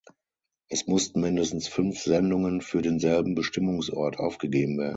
Es mussten mindestens fünf Sendungen für denselben Bestimmungsort aufgegeben werden.